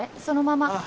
そのまま。